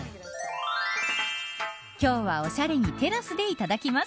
今日は、おしゃれにテラスでいただきます。